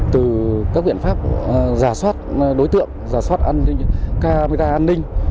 từ các biện pháp giả soát đối tượng giả soát camera an ninh